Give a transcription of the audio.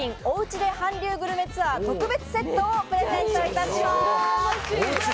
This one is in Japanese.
ｄｅ韓流グルメツアー特別セットをプレゼントいたします。